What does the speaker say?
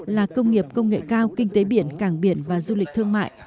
là công nghiệp công nghệ cao kinh tế biển cảng biển và du lịch thương mại